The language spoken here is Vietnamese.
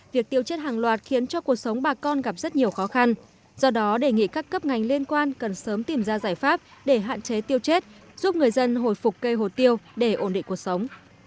hồ tiêu chết là một trong những cây trồng chủ lực đem lại nguồn thu nhập chính cho người dân